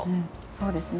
そうですね。